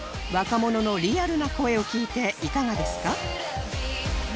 若者のリアルな声を聞いていかがですか？